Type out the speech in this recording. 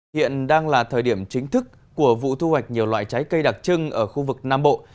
hiện đang là thời điểm chính thức của vụ thu hoạch nhiều loại trái cây đặc trưng ở khu vực nam bộ